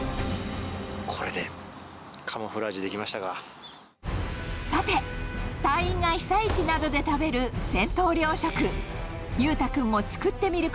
これでカムフラージュできまさて、隊員が被災地などで食べる戦闘糧食。